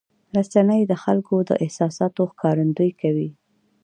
رسنۍ د خلکو د احساساتو ښکارندویي کوي.